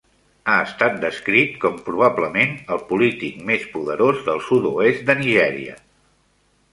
Ha estat descrit com "probablement el polític més poderós del sud-oest de Nigèria".